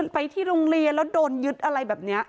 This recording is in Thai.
ไปที่โรงเรียนแล้วโดนยึดอะไรแบบนี้